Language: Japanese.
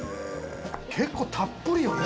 結構たっぷりよね？